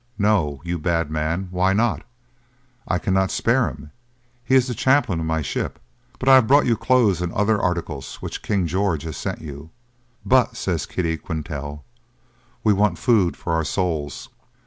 'No.' 'You bad man, why not?' 'I cannot spare him, he is the chaplain of my ship; but I have brought you clothes and other articles, which King George has sent you.' 'But,' says Kitty Quintal, 'we want food for our souls.'